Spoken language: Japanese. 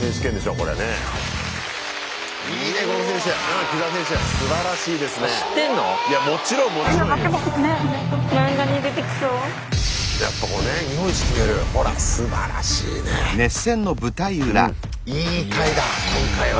うんいい回だ今回は。